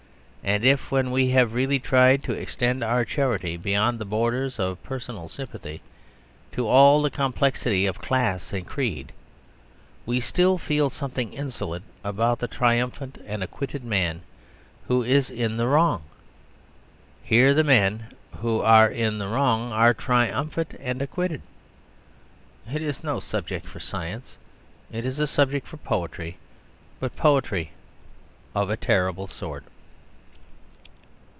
If, when we have really tried to extend our charity beyond the borders of personal sympathy, to all the complexities of class and creed, we still feel something insolent about the triumphant and acquitted man who is in the wrong, here the men who are in the wrong are triumphant and acquitted. It is no subject for science. It is a subject for poetry. But for poetry of a terrible sort.